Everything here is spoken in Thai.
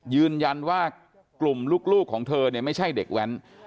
ยืนยันว่ากลุ่มลูกของเธอเนี่ยไม่ใช่เด็กแว้น